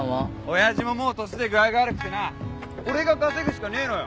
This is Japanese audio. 親父ももうトシで具合が悪くてな俺が稼ぐしかねえのよ。